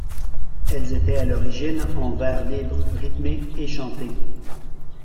Elles étaient à l'origine en vers libres rythmés et chantés.